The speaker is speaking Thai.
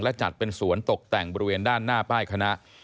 และจัดเป็นสวนตกแต่งบริเวณด้านหน้าป้ายคณะ